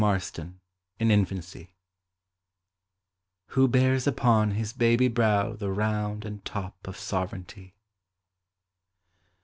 PHILIP, MY KING* " Who bears upon his baby brow tho round And top of sovereignty."